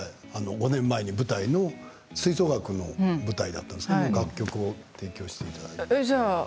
前、舞台の吹奏楽の舞台だったんですけど楽曲を提供していただいて。